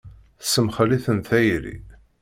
Tessemxel-iten tayri.